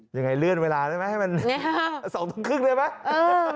เลื่อนเวลาได้ไหมให้มัน๒ทุ่มครึ่งได้ไหม